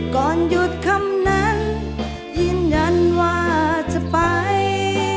ก่อนหยุดคำนั้นยืนยันว่าจะไป